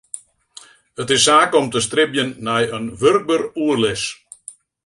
It is saak om te stribjen nei in wurkber oerlis.